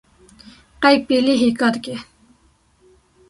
Qey pêlê hêka dike